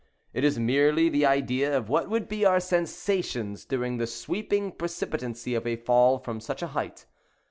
It is merely the idea of what would be our sensations during the sweeping precipitancy of a fall from such a height.